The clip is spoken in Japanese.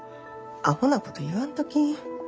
アホなこと言わんとき！